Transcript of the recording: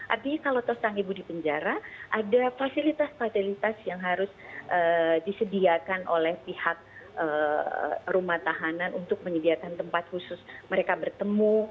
artinya kalau tahu sang ibu di penjara ada fasilitas fasilitas yang harus disediakan oleh pihak rumah tahanan untuk menyediakan tempat khusus mereka bertemu